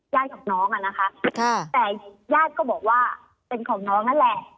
ย่าดของน้องนะคะแต่ย่าดก็บอกว่าเป็นของน้องนั่นแหละ